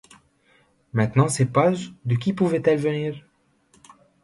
Maintenant ces pages, de qui pouvaient-elles venir?